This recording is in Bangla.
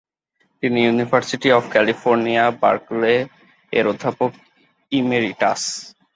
তিনি ইউনিভার্সিটি অব ক্যালিফোর্নিয়া, বার্কলে এর অধ্যাপক ইমেরিটাস।